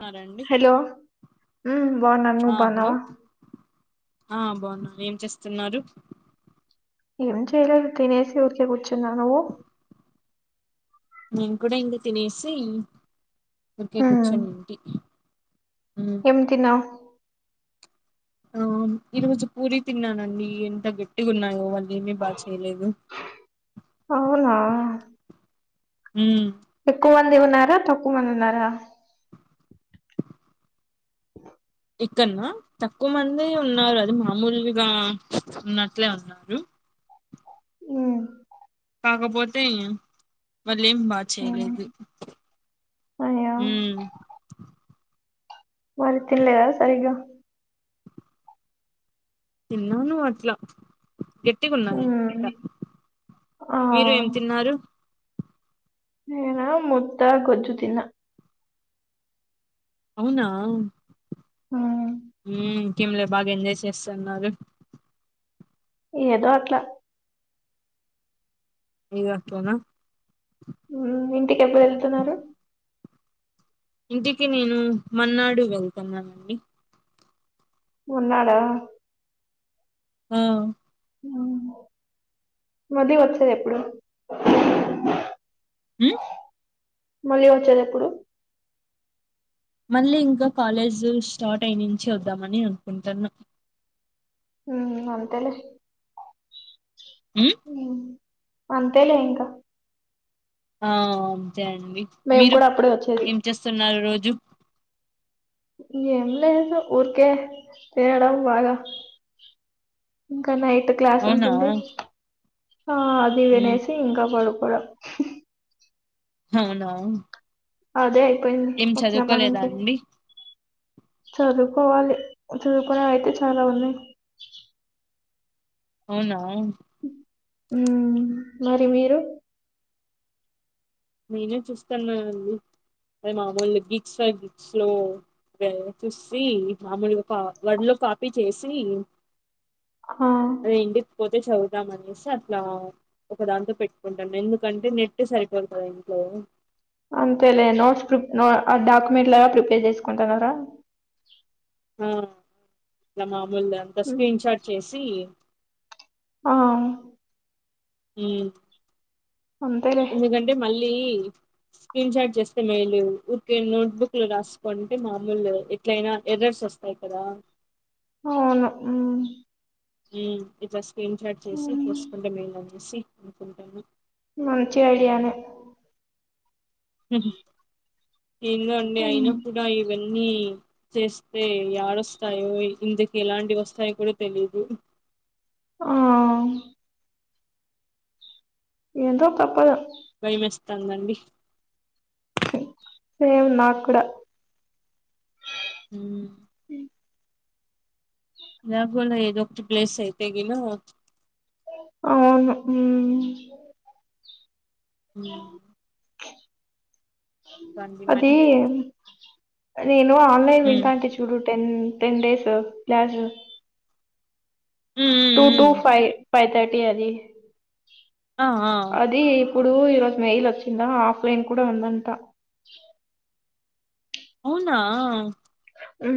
న్నారండి hello ఉమ్ బాగున్నాను నువ్వు బాగున్నావా. ఆహ్ బాగున్నాను ఏం చేస్తున్నారు. ఏం చేయలేదు తినేసి ఊరికే కూచున్నాను నువ్వు. నేను కూడా ఇంకా తినేసి ఉరికే హ్మ్ కూర్చునుంటి. ఏం తిన్నావ్. ఆ ఈ రోజు పూరి తిన్నానండి ఎంత గట్టిగున్నాయో వాళ్ళు ఏమీ బాగా చేయలేదు. అవునా. ఉమ్. ఎక్కువ మంది ఉన్నారా తక్కువ మంది ఉన్నారా. ఇక్కన్నా తక్కువ మంది ఉన్నారు అది మామూలుగా ఉన్నట్లే ఉన్నారు. ఉమ్. కాకపోతే. వాళ్ళేం బాగా హ్మ్ చేయలేదు అయ్యో ఉమ్. మరి తినల్లేదా సరిగ్గా. తిన్నాను అట్లా. గట్టిగున్నాయి హ్మ్ అనమాట ఆ మీరేం తిన్నారు. నేనా ముద్ద గొజ్జు తిన్నా. అవునా హ్మ్ ఉమ్. కీమ్ లో బాగా ఎంజాయ్ చేస్తున్నారు. ఏదో అట్లా. ఇగ అట్లాన. ఉమ్ ఇంటికి ఎప్పుడు వెళ్తున్నారు. ఇంటికి నేను మరున్నాడు వెళ్తనండి. ఉన్నారా. ఆహ్. ఉమ్ వదిలి వచ్చేది ఎప్పుడు. ఉమ్. మళ్ళీ వచ్చేదేప్పుడు. మళ్ళీ ఇంకా కాలేజీ స్టార్ట్ అయినుంచి వద్దామని అనుకుంటున్నా. ఉమ్ అంతేలే. ఉమ్. హ్మ్ అంతేలే ఇంకా. ఆహ్ అంతే అండి మేము మీరు కూడా అప్పుడే వచ్చేది ఏం చేస్తున్నారు రోజు. ఏం లేదు ఊరికే తినడం బాగా. ఉమ్. ఇంకా నైట్ క్లాస్ అవునా ఉంటుంది ఆ అది ఉమ్, వినేసి ఇంకా పడుకో కోడం అవునా అదే అయిపోయి ఏం వచ్చిన చదువుకోలేదా పటినుంచి అండి చదువుకోవాలి చదువుకునేవి అయితే చాలా ఉన్నాయి అవునా మరి మీరు నేనే చూస్తాన్నా అండి అదే మామూలు గిట్సా గేట్ల లో చూసి మామూలు ఒక వడ్ లో కాపీ చేసి ఆ అదే ఇంటికి పో చదువుదాం అనేసి అట్లా ఒక దాంతో పెట్టుకుంటాం ఎందుకంటే నెట్ సరిపో వెయతో అంతే లే నోట్స్ ప్ర ఆ డాక్యుమెంట్ లాగా ప్రిపేర్ చేసుకుంటున్నారా ఆ ఇలా మామూలు అంతా ఉమ్, స్క్రీన్షార్ట్ చేసి ఆ ఉ అంతలే చేయీ స్క్రీన్ షాట్ చేస్తే మేయిలు ఓకే నోట్బుక్లు రాసుకుంటే మామూలు ఎట్లయినా ఎర్రర్స్ వస్తాయి కదా అవును ఉ ఉమ్ ఇట్లా స్క్రీన్ చాట్ చేసి చసుకుంటే మేలా చేసి అనుకుంటాను మంచి ఐడియనే ఏండో అండి ఉమ్, అయినా కూడా ఏం అన్ని చేస్తే ఎడొస్తాయో ఇందుకి ఎలాంటి వస్తాయో కూడా తెలీదు ఆ ఏందో తప్పదు భయమేస్తుందండి సేమ్ నాకు కూడా ఆ జగోల ఏద ఒకటి ప్లేస్ అయితే గిన అవును ఉ హ్మ్. రండి అది మరి నేను ఆన్లైన్ హ్మ్. వింటా హ్మ్. అంటే చూడు టెన్ టెన్ డేస్ క్లాస్ హ్మ్. టూ టూ హ్మ్. ఫైవ్ ఫైవ్ థర్టీ అది ఆ ఆ అది ఇప్పుడు ఈరోజు మెయిల్ వచ్చిందా ఆఫ్లైన్ కూడా ఉందంట అవునా ఉ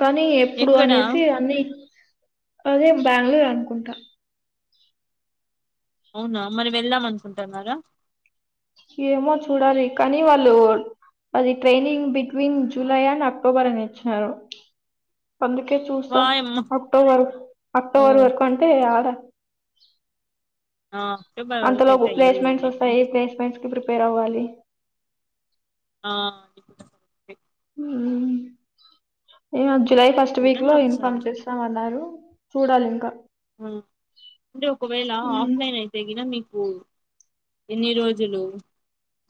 కానీ ఎప్పుడు ఎక్కడా అనేసి అన్ని అదే బెంగళూరు అనుకుంటా అవునా మరి వెళ్దాం అనుకుంటున్నారా ఏమో చూడాలి కానీ వాళ్ళు అది training between July and October అని ఇచ్చినారు అందుకే చూస్తా వాయమ్మ అక్టోబర్ ఓ అక్టోబర్ వరకు అంటే ఆడ ఆ ఫెబర్ వరకు అయితే ఎల్లనులే ఇప్పుడు ప్రిపేర్ అవువాలి ఆ ఇంగ జులై ఫస్ట్ వీక్ చూడండి లో ఒకసారి ఇన్ఫార్మ్ చేస్తాం అన్నారు చూడాలి ఇంకా అంటే ఒకవేళ మ్మ్ ఆఫ్లైన్ అయితేగిన మీకు మాకు ఎన్ని రోజులు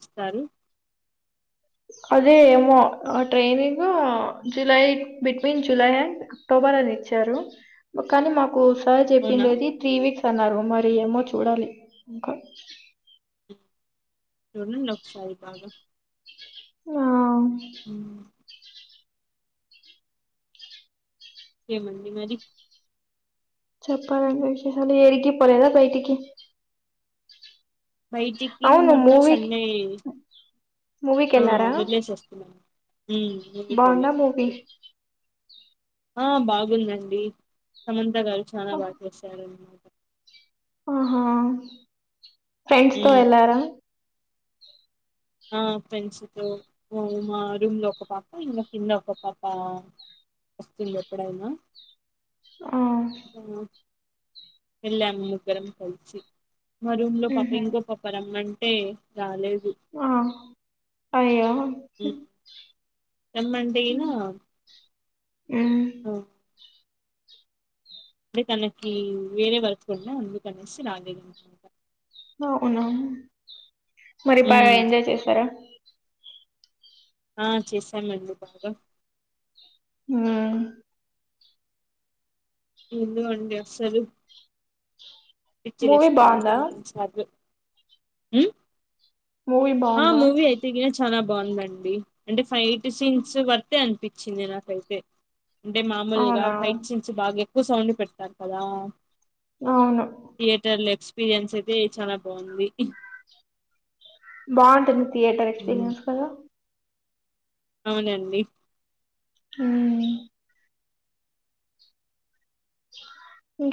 ఇస్తారు అదే ఏమో training July between July and October ని ఇచ్చారు కానీ మాకు కుసారి అవునా చెప్పిండేది త్రీ వీక్స్ అన్నారు మరి ఏమో చూడాలి ఇంకా చూడండి ఒకసారి గా ఆ మ్ ఇంకేమండి మరి చెప్పాలండి విశేషాలు ఏరిగి పోలేదా బయటికి బయటికి అవును మొన్న మూవీకి సండే మూవీకి ఆ వెళ్ళారా వెళ్లేసి వస్తున్నాను ఉ మలి బాగుందా మూవీ ఆ బాగుందండి సమంత గారు చాలా బాగా చేశారు హ ఫ్రెండ్స్ తో మ్ ఎల్లారా ఆ ఫ్రెండ్స్తో మా రూమ్ లో ఒక పాప ఇంగ కింద ఒక పాప వస్తుంద ఎప్పుడైనా ఆ ఎల్లాం ముగ్గురం కలిసి మా రూమ్ లో పాప ఉహు ఇంకో పాప రమ్మంటే రాలేదు ఆ అయ్యో రమ్మంటేనా ఉ అప్పు తనకి వేరే వర్క్ ఉండా అందుకునేసి రాలేదు అవున మరి బగా ఎంజాయ్ చేసారా ఆ చేసామండి బాగా హ ఎందుక అండి అస్సలు మూవీ పిచ్చిలేస్తంది బాగుందా అంతకుంసగలు మూవీ ఆ బాగుందా మూవీ అయితే క చాలా బాగుందండి అంటే ఫైట్ సీన్స్ వర్తే అనిపించ వచ్చింది నాకైతే అంటే మామూలుగా అవునా ఫైట్ సీన్స్ బాగా ఎక్కువ సౌండ్ పెడతారు కదా అవును థియేటర్ల ఎక్స్పీరియన్స్ అయితే చాలా బాగుంది బాగుంటుంది థియేటర్ ఉమ్, ఎక్స్పీరియన్స్ కదా అవునండి ఊ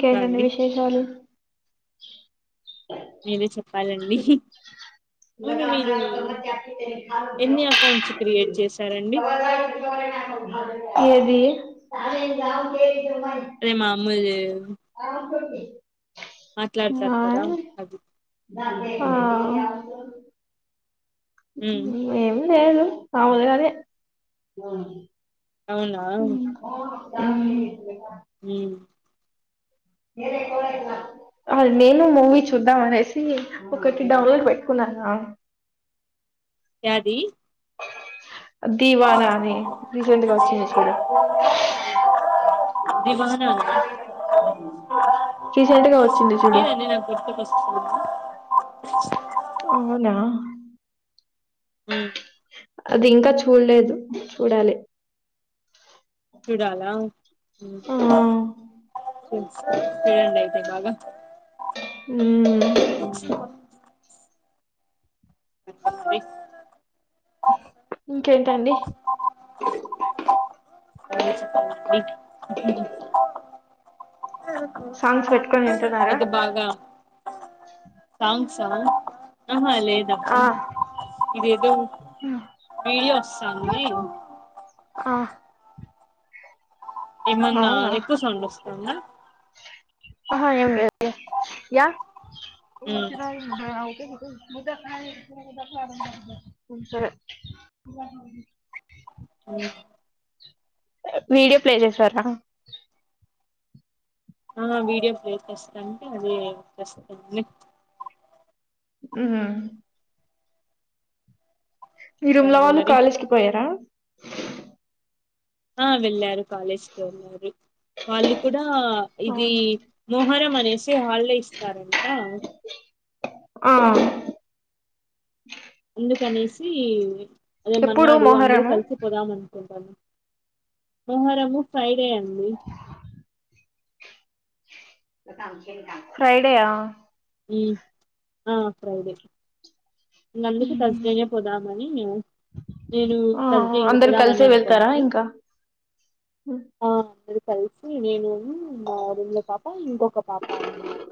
ఇంకా అండి విశేషాలు మీరే చెప్పాలండి అవును న్నా మీరు స ఎన్ని అకౌంట్స్ క్రియేట్ చేశారండి ఏది అమ్మది ఆ ఆ మాట్లాడతారు కదా అది ఆ ఉ మాములుగానే అవునా ఊ ఉ ఏది ఎక్కువగా తిన్నారు అ నేను మూవీ చూద్దాం అనేసి ఒకటి డౌన్లోడ్ పెట్టుకున్నాను యాది దీవానానే దివాన నా రీసెంట్ గా వచ్చింది ఆ చూడు అండి నేను చూసినానండి నాకు గుర్తొస్తుంది అవునా ఉ అది ఇంకా చూడలేదు చూడాలి చూడాలా ఆ చూడండి అయితే బాగా ఉమ్ ఇంకేంటండి నువ్వే చెప్పల్లండి సాంగ్స్ పెట్టుకొని వింటున్నారా అది బాగా అహ లేదక్కా ఆ ఇదేదో రీల్ వస్తాంది ఆ ఏమన్నా అవునా ఎక్కువ సౌండ్ వస్తాంద అహ ఏం లేదు య ఉమ్, సరే అవును వీడియో ప్లే చేసారా ఆ వీడియో ప్లే చేసామండి అదె వస్తుంది ఉ హు మీ రూంలో ఇంకండి వాళ్ళు మరి కాలేజ్కి పోయారా ఆ వెళ్ళారు వాళ్ళు కూడా ఇది మొహరం అన్ నేసి హాలిడే ఇస్తున్నారంట ఆ అందుకనేసి అదే ఎప్పుడు మన్నాడు అందరూ మొహరము కలిసి పోదామనుకుంటునాము మొహరము ఫ్రైడే అండి ఫ్రైడేయా హ్మ్ అ ఫ్రైడే ఇంగ అందుకు మ్మ్ త్ర్సడేనే పోదామని నేను ఆ త్ర్సడే ఇంగ అందరు పోదామని కలిసే అని వెళ్తారా అనుకోంటి ఇంకా అ కలిసి నేను మా రూమ్లో పాప ఇంకొక పాప అన్మాట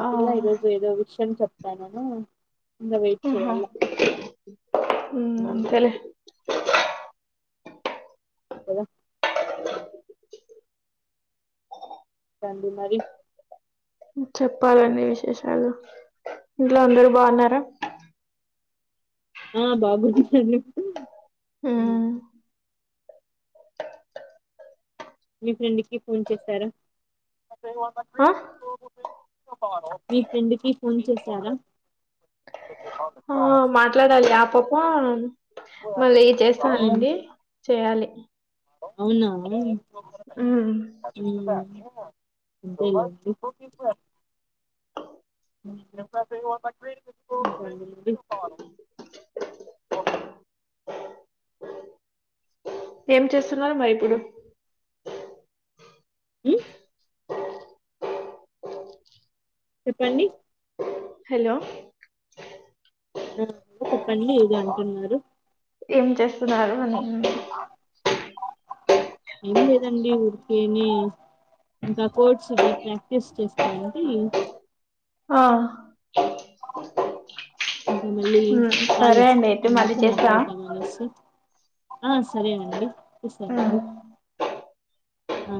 అ ఆ పిల్లా ఈరోజు ఏదో విషయం చెప్తా నేను ఆహా అంతేలే [inaudible] ఇదా రండి మరి చెప్పాలండి విశేషాలు ఇంట్లో అందరు బాన్నర ఆ బాగుంది అండి మ్మ్ మీ ఫ్రెండ్కీ ఫోన్ చేసార ఆ మీ ఫ్రెండ్కి ఫోన్ చేశారా అ మాట్లాడాలి అ పాప మళ్ళీ చేస్తా మ్మ్ అనింది చేయాలి అవునా హ్మ్ [inaudible] [inaudible] ఆ ఏం చేస్తున్నారు మరి ఇప్పుడు హ్మ్ చెప్పండి హలో అ చెప్పండి ఏదో అంటున్నారు ఏం చేస్తున్నారు అని అండి ఎం లేదండి ఊరికేనే ఇంకా కోడ్స్ ది ప్రాక్టీస్ చేస్తానంటే ఆ ఇంక మళ్ళీ ఉమ్ సరే కాలస్ అండి అయితే అ మళ్ళీ ముక్కు చేస్తా మాట్లాడాతను అనేసి ఆ సరేనండి తీస్తే ఉమ్ అండి ఆ